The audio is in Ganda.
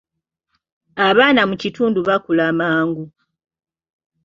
Abaana mu kitundu bakula mangu.